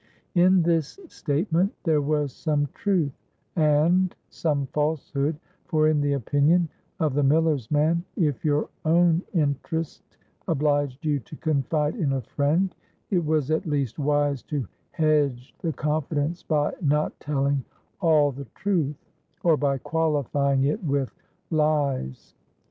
In this statement there was some truth, and some falsehood; for in the opinion of the miller's man, if your own interest obliged you to confide in a friend, it was at least wise to hedge the confidence by not telling all the truth, or by qualifying it with lies.